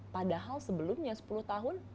padahal sebelumnya sepuluh tahun